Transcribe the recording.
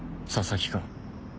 佐々木か。